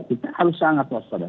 kita harus sangat waspada